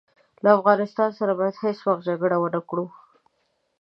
له افغانستان سره باید هیڅ وخت جګړه ونه کړو.